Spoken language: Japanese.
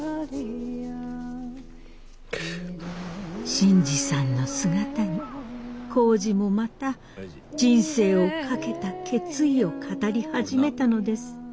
新次さんの姿に耕治もまた人生を懸けた決意を語り始めたのです。